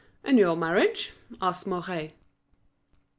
"And your marriage?" asked Mouret.